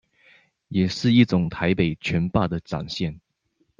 也是一種台北霸權的展現